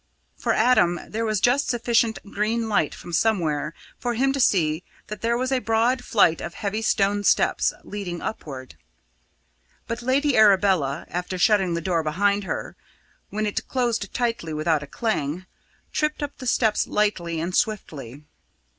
For Adam, there was just sufficient green light from somewhere for him to see that there was a broad flight of heavy stone steps leading upward; but Lady Arabella, after shutting the door behind her, when it closed tightly without a clang, tripped up the steps lightly and swiftly.